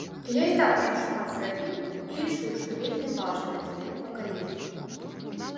Я і так ужо шмат зрабіў і лічу, што вельмі важная змена пакаленняў.